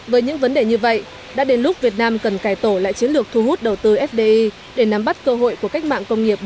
với những vấn đề như vậy đã đến lúc việt nam cần cải tổ lại chiến lược thu hút đầu tư fdi để nắm bắt cơ hội của cách mạng công nghiệp bốn